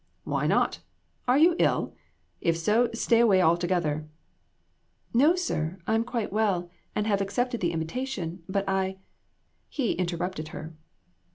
"Why not? Are you ill? If so, stay away altogether." " No, sir ; I am quite well, and have accepted the invitation ; but I" He interrupted her.